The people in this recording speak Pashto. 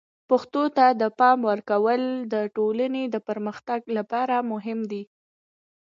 پښتو ته د پام ورکول د ټولنې د پرمختګ لپاره مهم دي.